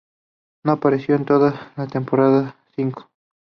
No apareció en toda la temporada cinco.